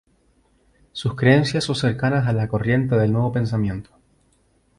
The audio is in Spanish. Sus creencias son cercanas a la corriente del Nuevo Pensamiento.